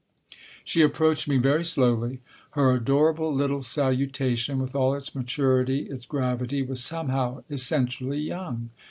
She approached me very slowly. Her adorable little salutation, with all its maturity, its gravity, was somehow essentially young.